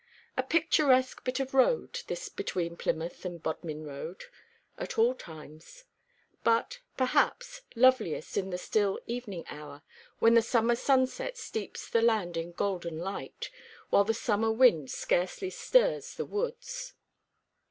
A picturesque bit of road, this between Plymouth and Bodmin Road, at all times; but, perhaps, loveliest in the still evening hour, when the summer sunset steeps the land in golden light, while the summer wind scarcely stirs the woods.